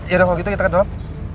yaudah kalau gitu kita ke dalam